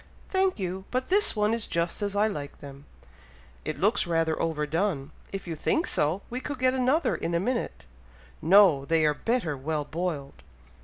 "Thank you! but this one is just as I like them." "It looks rather over done! If you think so, we could get another in a minute!" "No! they are better well boiled!"